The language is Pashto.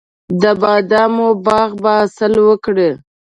د بادامو باغ به حاصل وکړي.